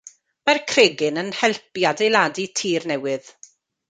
Mae'r cregyn yn help i adeiladu tir newydd.